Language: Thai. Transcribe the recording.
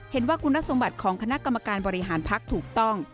เห็นว่าคุณสมบัติของคณะกรรมการบริหารพักถูกต้อง